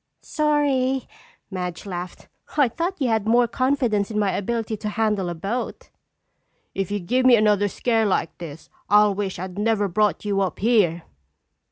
"Sorry," Madge laughed. "I thought you had more confidence in my ability to handle a boat." "If you give me another scare like this, I'll wish I'd never brought you up here."